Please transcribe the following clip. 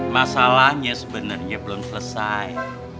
masalahnya sebenernya belum selesai